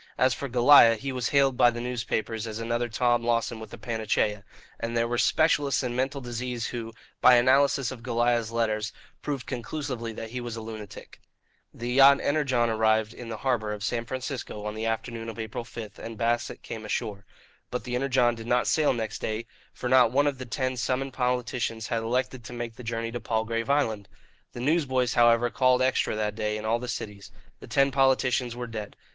As for Goliah, he was hailed by the newspapers as another Tom Lawson with a panacea; and there were specialists in mental disease who, by analysis of Goliah's letters, proved conclusively that he was a lunatic. The yacht Energon arrived in the harbour of San Francisco on the afternoon of April 5, and Bassett came ashore. But the Energon did not sail next day, for not one of the ten summoned politicians had elected to make the journey to Palgrave Island. The newsboys, however, called "Extra" that day in all the cities. The ten politicians were dead.